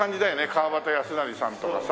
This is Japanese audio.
川端康成さんとかさ。